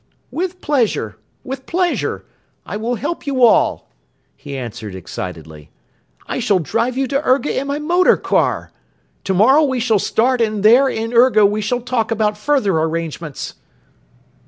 "With pleasure, with pleasure. ... I will help you all," he answered excitedly. "I shall drive you to Urga in my motor car. Tomorrow we shall start and there in Urga we shall talk about further arrangements."